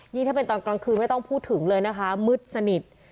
นี่ถ้าเป็นตอนกลางคืนไม่ต้องพูดถึงเลยนะคะมืดสนิท